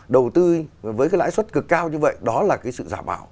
đầu tư với cái lãi suất cực cao như vậy đó là cái sự giả bảo